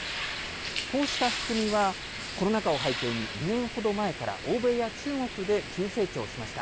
こうした仕組みは、コロナ禍を背景に２年ほど前から欧米や中国で急成長しました。